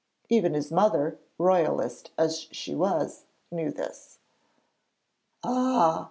Even his mother, Royalist as she was, knew this. 'Ah!'